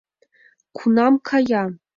— Кунам кая?